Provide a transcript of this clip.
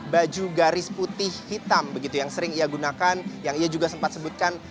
baju garis putih hitam begitu yang sering ia gunakan yang ia juga sempat sebutkan